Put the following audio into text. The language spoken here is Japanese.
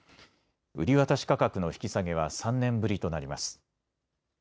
売り渡し価格の引き下げは３年ぶりとなります。